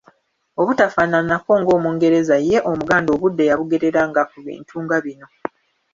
Obutafaananako ng’Omungereza ye Omuganda obudde yabugereranga ku bintu nga bino